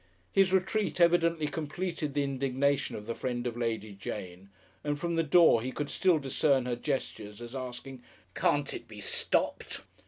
His retreat evidently completed the indignation of the friend of Lady Jane, and from the door he could still discern her gestures as asking, "Can't it be stopped?"